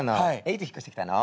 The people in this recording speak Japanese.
いつ引っ越してきたの？